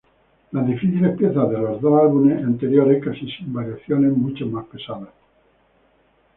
Las difíciles piezas de los dos álbumes anteriores casi sin variaciones, mucho más pesadas.